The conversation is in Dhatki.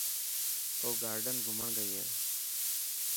او گارڊ گھمڻ گئي هي.